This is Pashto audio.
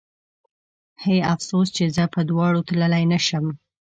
هی افسوس چې زه په دواړو تللی نه شم